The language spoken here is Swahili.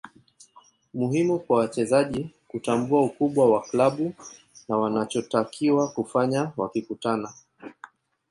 Muhimu kwa wachezaji kutambua ukubwa wa klabu na wanachotakiwa kufanya wakikutana